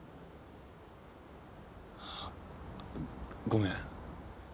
あごめん。